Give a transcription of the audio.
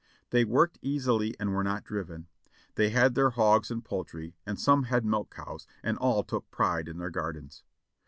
They worked easily and were not driven. They had their hogs and poultry, and some had milch cows, and all took pride in their gardens.